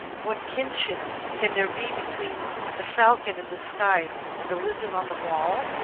What kinship can there be between the falcon in the sky and the lizard on the wall?